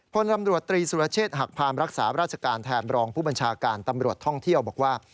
พลตำรวจตรีสุรเชษฐ์หักพามรักษาราชการแทนรองผู้บัญชาการตำรวจท่องเที่ยวบอกว่า